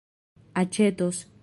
aĉetos